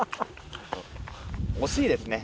惜しいですね。